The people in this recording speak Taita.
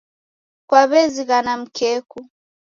Kwaw'ezighana mkeku